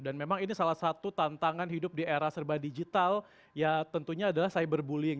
dan memang ini salah satu tantangan hidup di era serba digital ya tentunya adalah cyberbullying